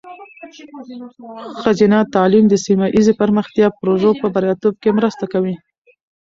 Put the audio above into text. ښځینه تعلیم د سیمه ایزې پرمختیا پروژو په بریالیتوب کې مرسته کوي.